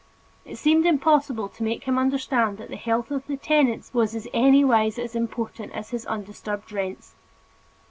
It seemed impossible to make him understand that the health of the tenants was in any wise as important as his undisturbed rents.